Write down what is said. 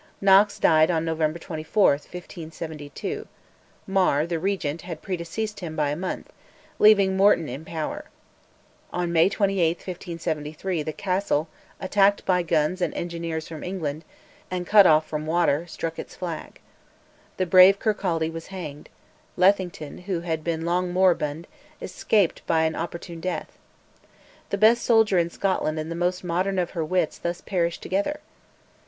Knox died on November 24, 1572; Mar, the Regent, had predeceased him by a month, leaving Morton in power. On May 28, 1573, the castle, attacked by guns and engineers from England, and cut off from water, struck its flag. The brave Kirkcaldy was hanged; Lethington, who had long been moribund, escaped by an opportune death. The best soldier in Scotland and the most modern of her wits thus perished together.